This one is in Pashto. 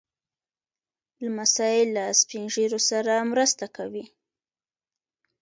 لمسی له سپين ږیرو سره مرسته کوي.